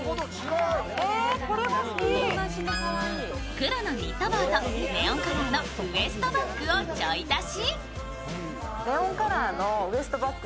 黒のニット帽とネオンカラーのウエストバッグをチョイ足し。